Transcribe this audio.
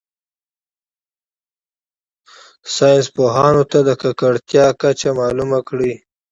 ساینس پوهانو ته د ککړتیا کچه معلومه کړي.